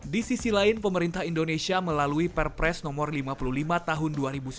di sisi lain pemerintah indonesia melalui perpres nomor lima puluh lima tahun dua ribu sembilan belas